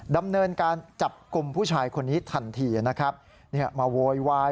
ดำเนินการจับกลุ่มผู้ชายคนนี้ทันทีนะครับเนี่ยมาโวยวาย